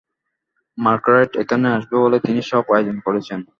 Marguerite এখানে আসবে বলে তিনি সব আয়োজন করেছেন।